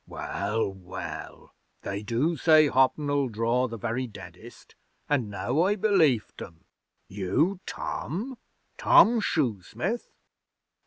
'Well, well! They do say hoppin' 'll draw the very deadest, and now I belieft 'em. You, Tom? Tom Shoesmith?'